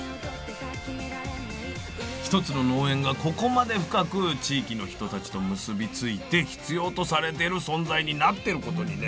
一つの農園がここまで深く地域の人たちと結び付いて必要とされてる存在になってることにね